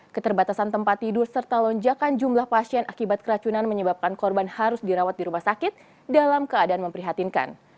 keterbatasan tempat tidur serta lonjakan jumlah pasien akibat keracunan menyebabkan korban harus dirawat di rumah sakit dalam keadaan memprihatinkan